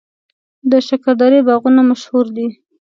د شکردرې باغونه مشهور دي